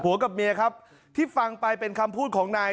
กับเมียครับที่ฟังไปเป็นคำพูดของนาย